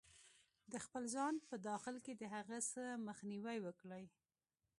-د خپل ځان په داخل کې د هغه څه مخنیوی وکړئ